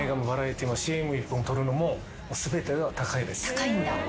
高いんだ。